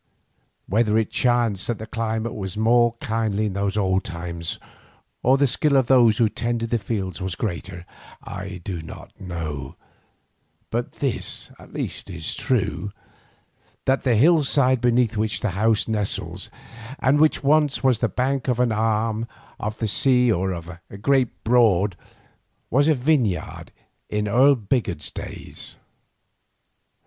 Whether it chanced that the climate was more kindly in old times, or the skill of those who tended the fields was greater, I do not know, but this at the least is true, that the hillside beneath which the house nestles, and which once was the bank of an arm of the sea or of a great broad, was a vineyard in Earl Bigod's days.